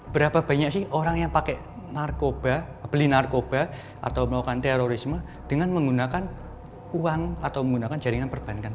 berapa banyak sih orang yang pakai narkoba beli narkoba atau melakukan terorisme dengan menggunakan uang atau menggunakan jaringan perbankan